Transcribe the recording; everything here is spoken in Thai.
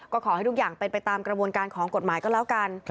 ก็ขอให้ทุกอย่างเป็นไปตามกระบวนการของกฎหมายก็แล้วกัน